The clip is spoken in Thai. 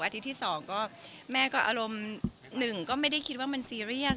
ที่๒ก็แม่ก็อารมณ์หนึ่งก็ไม่ได้คิดว่ามันซีเรียส